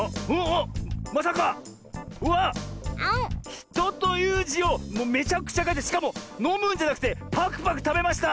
「ひと」というじをもうめちゃくちゃかいてしかものむんじゃなくてパクパクたべました。